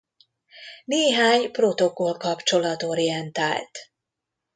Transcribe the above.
Néhány protokoll kapcsolat orientált.